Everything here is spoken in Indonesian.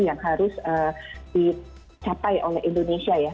yang harus dicapai oleh indonesia ya